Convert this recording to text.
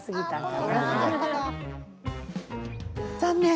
残念。